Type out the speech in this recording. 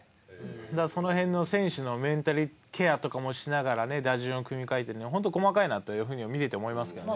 だからその辺の選手のメンタルケアとかもしながらね打順を組み替えてるのは本当細かいなという風には見てて思いますけどね。